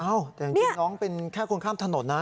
อ้าวแต่อย่างนี้น้องเป็นแค่คนข้ามถนนนะ